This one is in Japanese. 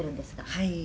「はい。